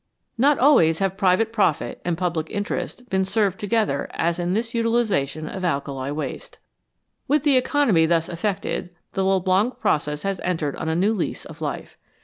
Not always have private profit and public interest been served together as in this utilisation of alkali waste. With the economy thus effected, the Leblanc process has entered on a new lease of life.